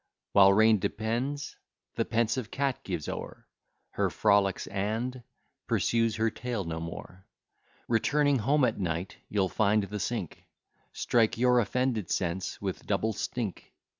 While rain depends, the pensive cat gives o'er Her frolics, and pursues her tail no more. Returning home at night, you'll find the sink Strike your offended sense with double stink.